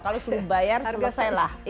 kalau sudah dibayar selesailah